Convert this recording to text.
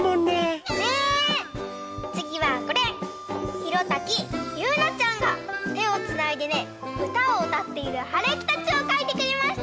ひろたきゆうなちゃんがてをつないでねうたをうたっているはるきたちをかいてくれました！